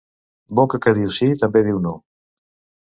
Boca que diu sí també diu no.